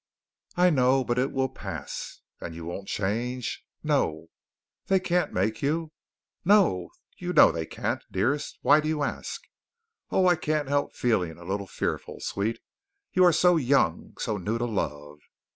"I know, but it will pass." "And you won't change?" "No." "They can't make you?" "No, you know they can't, dearest. Why do you ask?" "Oh, I can't help feeling a little fearful, sweet. You are so young, so new to love."